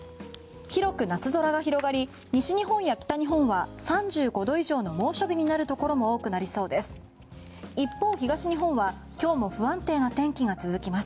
広く夏空が広がり西日本や北日本は３５度以上の猛暑日になるところも多くなりそうです。